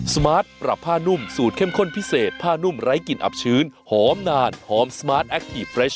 สมาร์ทปรับผ้านุ่มสูตรเข้มข้นพิเศษผ้านุ่มไร้กลิ่นอับชื้นหอมนานหอมสมาร์ทแอคทีฟเฟรช